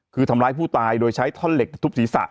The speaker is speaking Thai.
คือทำร้ายผู้ตายโดยใช้ท่อนเหล็กทุบศีรษะ